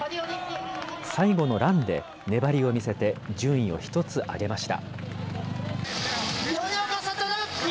最後のランで、粘りを見せて順位を１つ上げました。